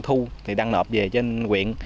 thu thì đăng nộp về trên huyện